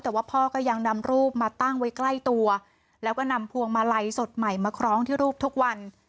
แต่ว่าพ่อก็ยังนำรูปมาตั้งไว้ใกล้ตัวแล้วก็นำพวงมาลัยสดใหม่มาคล้องที่รูปทุกวัน